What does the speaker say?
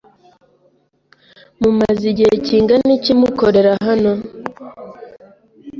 Mumaze igihe kingana iki mukorera hano?